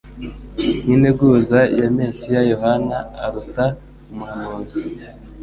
Nk'integuza ya Mesiya, Yohana "aruta umuhanuzi".